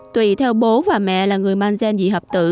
tùy theo bố và mẹ là người mang gen dị hợp tự